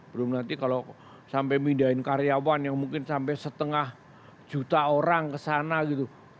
belum nanti kalau sampai mindahin karyawan yang mungkin sampai setengah juta orang kesana gitu